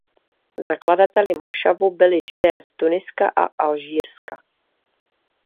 Zakladateli mošavu byli Židé z Tuniska a Alžírska.